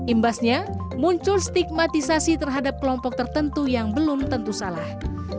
imbasnya muncul stigmatisasi terhadap kelompok tertentu yang belum tentu salah